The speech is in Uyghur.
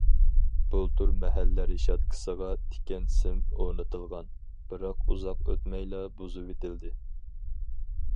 بۇلتۇر مەھەللە رېشاتكىسىغا تىكەن سىم ئورنىتىلغان، بىراق ئۇزاق ئۆتمەيلا بۇزۇۋېتىلدى.